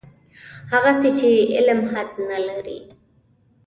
هغسې چې علم حد نه لري.